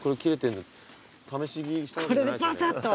これでバサッと。